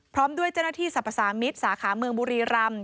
พร้อมด้วยเจ้าหน้าที่สรรพสามิตรสาขาเมืองบุรีรำ